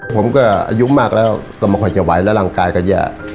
ผมก็อายุมากแล้วก็ไม่ค่อยจะไหวแล้วร่างกายก็แย่